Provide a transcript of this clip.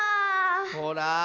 ほら。